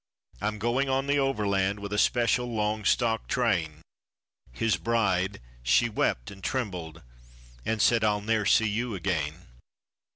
I'm going on the Overland with a special, long stock train." His bride, she wept and trembled and said, "I'll ne'er see you again.